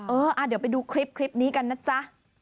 เออเดี๋ยวไปดูคลิปนี้กันนะจ๊ะ